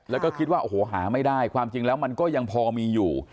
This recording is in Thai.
แล้วก็คิดว่าโอ้โหหาไม่ได้ความจริงแล้วมันก็ยังพอมีอยู่